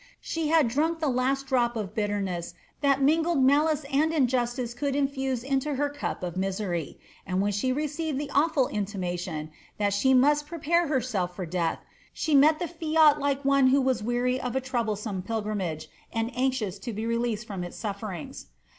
She had drunk of the last drop of bitterness that mingled malice and injustice could infuse into her cup of misery; and when she received the awful iiiliniation, that she must prepare herself for death, she met the fiat like one who was weary of a troublesome pilgrimage, and anxious to be released from its sufferings.